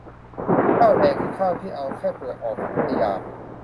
ข้าวแดง คือข้าวที่เอาแค่เปลือกออก ผิวเลยหยาบ